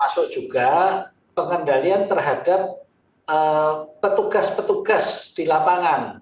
termasuk juga pengendalian terhadap petugas petugas di lapangan